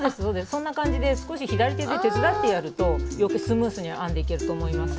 そんな感じで少し左手で手伝ってやるとスムーズに編んでいけると思います。